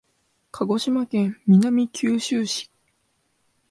鹿児島県南九州市